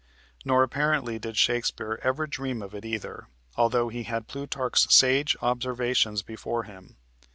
Nor apparently did Shakespeare ever dream of it either, altho he had Plutarch's sage observations before him.